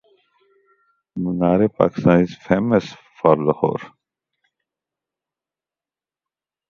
The word appears to derive from "gnosis".